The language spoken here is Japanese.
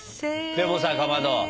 でもさかまど。